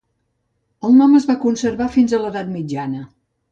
El nom es va conservar fins a l'edat mitjana.